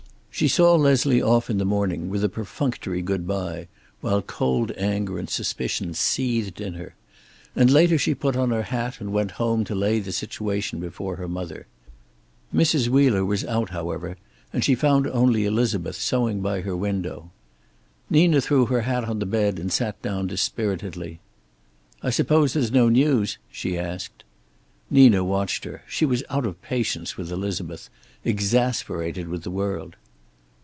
She saw Leslie off in the morning with a perfunctory good bye while cold anger and suspicion seethed in her. And later she put on her hat and went home to lay the situation before her mother. Mrs. Wheeler was out, however, and she found only Elizabeth sewing by her window. Nina threw her hat on the bed and sat down dispiritedly. "I suppose there's no news?" she asked. Nina watched her. She was out of patience with Elizabeth, exasperated with the world.